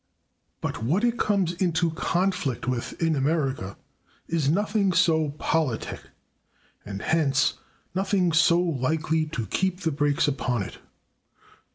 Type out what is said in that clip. But what it comes into conflict with, in America, is nothing so politic, and hence nothing so likely to keep the brakes upon it.